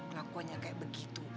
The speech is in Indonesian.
lakuannya kayak begitu